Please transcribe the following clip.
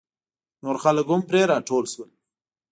نور خلک هم پرې راټول شول.